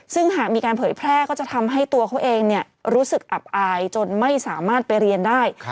ซึ่งหากมีการเผยแพร่ก็จะทำให้ตัวเขาเองรู้สึกอับอายจนไม่สามารถไปเรียนได้